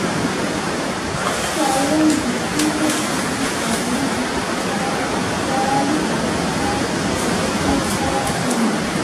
– স্বয়ং বিশীর্ণদ্রুমপর্ণবৃত্তিতা পরা হি কাষ্ঠা তপসস্তয়া পুনঃ।